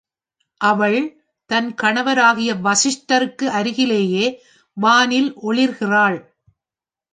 அவள் தன் கணவராகிய வசிஷ்டருக்கு அருகிலேயே வானில் ஒளிர்கிறாள்.